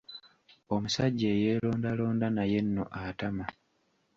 Omusajja eyeerondalonda naye nno atama.